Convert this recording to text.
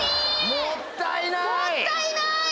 もったいない！